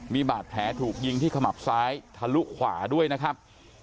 มีบาดแผลถูกยิงที่ขมับซ้ายทะลุขวาด้วยนะครับ